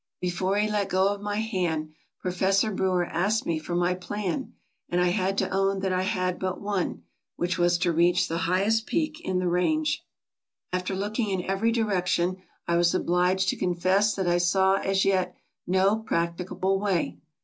Before he let go of my hand Professor Brewer asked me for my plan, and I had to own that I had but one, which was to reach the highest peak in the range. 104 TRAVELERS AND EXPLORERS « After looking in every direction I was obliged to confess that I saw as yet no practicable way.